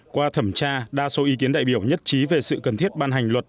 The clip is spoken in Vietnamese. qua thẩm tra đa số ý kiến đại biểu nhất trí về sự cần thiết ban hành luật